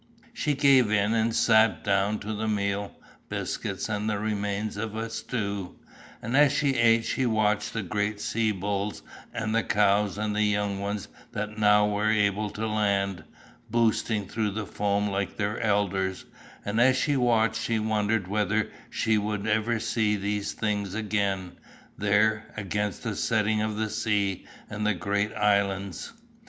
She gave in and sat down to the meal, biscuits and the remains of a stew, and as she ate she watched the great sea bulls and the cows and the young ones that now were able to land, boosting through the foam like their elders, and as she watched she wondered whether she would ever see these things again, there, against the setting of the sea and the great islands.